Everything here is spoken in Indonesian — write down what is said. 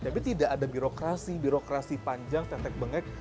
tapi tidak ada birokrasi birokrasi panjang tetek bengek